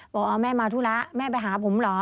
บอกเอาแม่มาธุระแม่ไปหาผมเหรอ